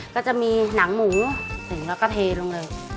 ก็จะมีหนังหมูแล้วก็เทลงเลย